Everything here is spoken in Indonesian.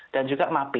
dan juga mapi